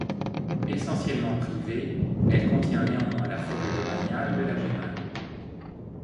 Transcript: Essentiellement privée, elle contient néanmoins la forêt domaniale de la Jemaye.